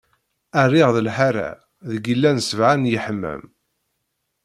Rniɣ lḥara, deg illan sebɛa n yeḥmam.